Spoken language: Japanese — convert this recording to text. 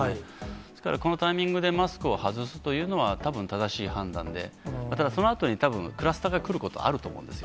ですから、このタイミングでマスクを外すというのは、たぶん正しい判断で、ただ、そのあとにたぶん、クラスターが来ることはあると思うんですよ。